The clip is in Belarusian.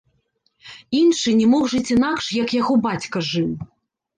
Іншы не мог жыць інакш, як яго бацька жыў.